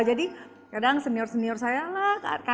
jadi kadang senior senior saya lah kade mah enak banget ya